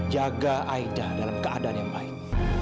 jaga aida dalam keadaan yang baik